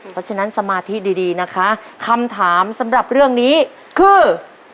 เพราะฉะนั้นสมาธิดีนะคะคำถามสำหรับเรื่องนี้คือ